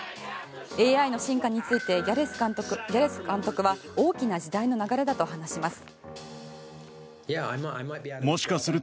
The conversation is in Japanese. ＡＩの進化についてギャレス監督は大きな時代の流れだと話します。